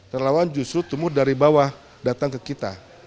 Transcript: relawan justru tumbuh dari bawah datang ke kita